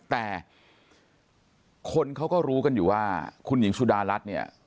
แต่คนเขาก็รู้กันอยู่ว่าคุณหญิงสุดารัฐเนี่ย